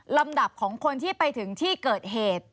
ลำดับของคนที่ไปถึงที่เกิดเหตุ